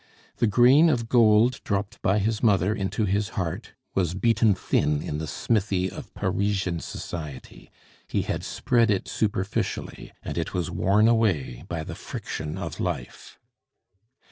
The grain of gold dropped by his mother into his heart was beaten thin in the smithy of Parisian society; he had spread it superficially, and it was worn away by the friction of life.